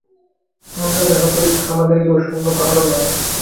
আমরা যাহা করি, তাহা আমাদেরই দোষ, অন্য কাহারও নয়।